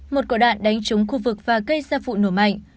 một quả đạn đánh trúng khu vực và gây ra vụ nổ mạnh